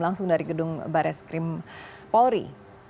langsung dari gedung bares krim polri